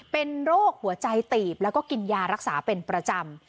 เป็นโรคหัวใจตีบแล้วก็กินยารักษาเป็นประจำ